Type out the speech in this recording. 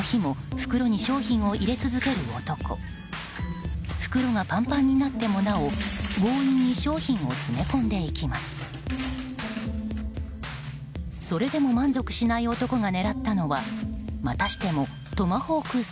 袋がパンパンになってもなお強引に商品を詰め込んでいきます。